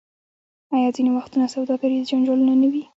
آیا ځینې وختونه سوداګریز جنجالونه نه وي؟